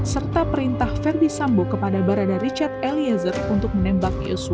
serta perintah verdi sambo kepada barada richard eliezer untuk menembak yosua